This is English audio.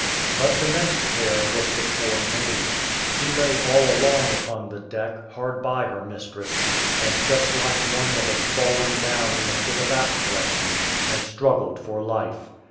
But the next care was the poor maid: she lay all along upon the deck, hard by her mistress, and just like one that had fallen down in a fit of apoplexy, and struggled for life.